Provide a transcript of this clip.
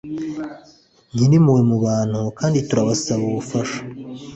nyirimpuhwe mu bantu kandi turasaba ubufasha